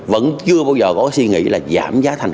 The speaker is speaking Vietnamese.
vẫn chưa bao giờ có suy nghĩ là giảm giá thành